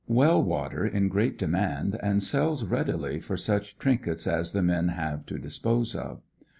Well water in great demand and sells readily for such trinkets as the men have to dis pose of.